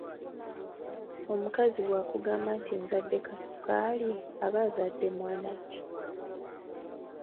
Omukazi bw’akugamba nti nzadde kasukaali aba azadde mwana ki?